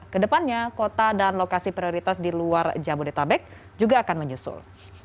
kedepannya kota dan lokasi prioritas di luar jabodetabek juga akan menyusul